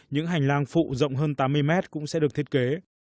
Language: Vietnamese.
những hành lang phụ rộng hơn tám mươi mét cũng sẽ được thiết kế